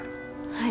はい。